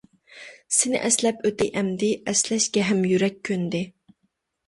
سېنى ئەسلەپ ئۆتەي ئەمدى، ئەسلەشكە ھەم يۈرەك كۆندى.